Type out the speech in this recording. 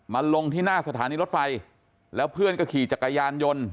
ลงที่หน้าสถานีรถไฟแล้วเพื่อนก็ขี่จักรยานยนต์